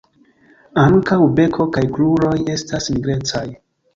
Ankaŭ beko kaj kruroj estas nigrecaj.